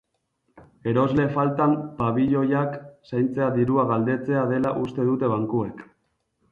Erosle faltan, pabiloiak zaintzea dirua galdetzea dela uste dute bankuek.